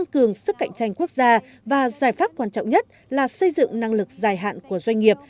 cường sức cạnh tranh quốc gia và giải pháp quan trọng nhất là xây dựng năng lực dài hạn của doanh nghiệp